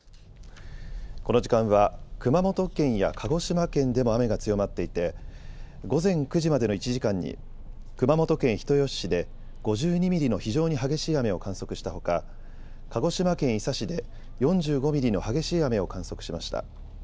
この時間は熊本県や鹿児島県でも雨が強まっていて、午前９時までの１時間に、熊本県人吉市で５２ミリの非常に激しい雨を観測したほか鹿児島県伊佐市で４５ミリの激しい雨を観測しました。